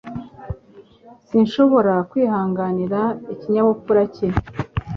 Sinshobora kwihanganira ikinyabupfura cye.